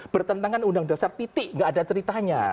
bertentangan undang dasar tidak ada ceritanya